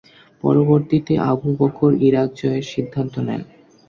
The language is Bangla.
পরবর্তীতে আবু বকর ইরাক জয়ের সিদ্ধান্ত নেন।